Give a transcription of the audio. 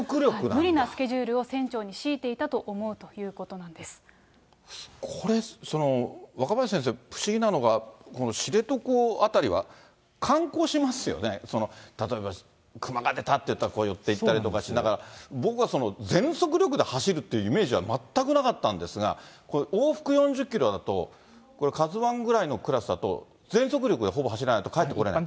無理なスケジュールを船長に強いていたと思うということなんこれ、若林先生、不思議なのが、この知床辺りは、観光しますよね、例えば熊が出たって言ったら、寄っていったりとかしながら、僕は全速力で走るっていうイメージは全くなかったんですが、これ、往復４０キロだと、これカズワンぐらいのクラスだと、全速力でほぼ走らないと帰ってこれない。